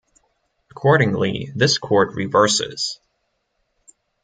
Accordingly, this court reverses.